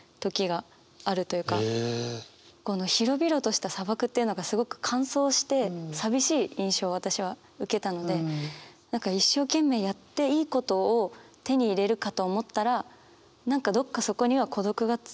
この広々とした砂漠っていうのがすごく乾燥して寂しい印象を私は受けたので何か一生懸命やっていいことを手に入れるかと思ったら何かどこかそこには感じた。